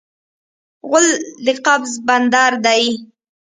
غول د قبض بندر دی.